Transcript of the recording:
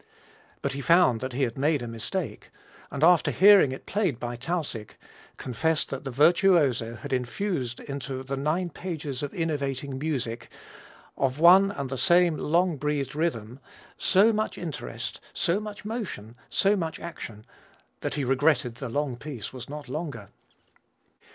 But he found that he had made a mistake, and, after hearing it played by Tausig, confessed that the virtuoso had infused into the 'nine pages of enervating music, of one and the same long breathed rhythm, so much interest, so much motion, so much action,' that he regretted the long piece was not longer."